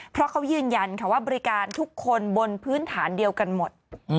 เพราะเขายืนยันค่ะว่าบริการทุกคนบนพื้นฐานเดียวกันหมด